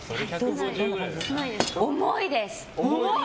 重いです。